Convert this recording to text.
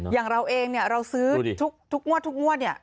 อย่างเราเองเราซื้อทุกงวด